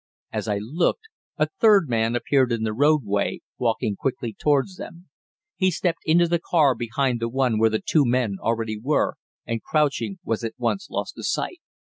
As I looked, a third man appeared in the roadway, walking quickly towards them. He stepped into the car behind the one where the two men already were, and, crouching, was at once lost to sight.